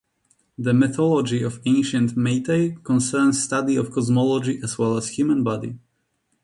The mythology of ancient Meitei concerns study of cosmology as well as human body.